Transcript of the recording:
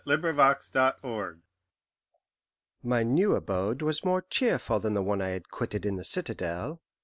"A LITTLE BOAST" My new abode was more cheerful than the one I had quitted in the citadel.